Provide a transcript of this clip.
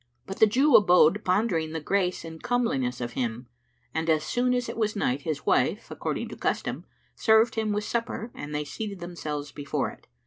But the Jew abode pondering the grace and the comeliness of him; and, as soon as it was night, his wife according to custom served him with supper and they seated themselves before it.